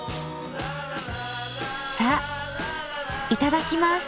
さあいただきます。